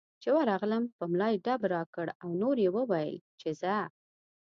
چې ورغلم په ملا یې ډب راکړ او نور یې وویل چې ځه.